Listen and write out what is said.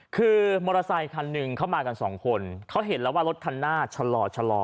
คือมอเตอร์ไซคันหนึ่งเข้ามากันสองคนเขาเห็นแล้วว่ารถคันหน้าชะลอชะลอ